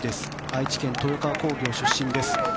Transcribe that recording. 愛知県・豊川工業出身です。